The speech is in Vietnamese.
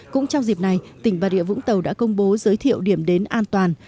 cũng trong dịp này tỉnh bà rịa vũng tàu đã công bố giới thiệu điểm đến an toàn